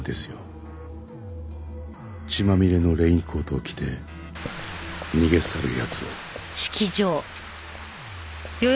血まみれのレインコートを着て逃げ去る奴を。